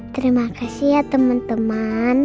terima kasih ya temen temen